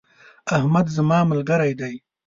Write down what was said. احمد زما ملګری دی.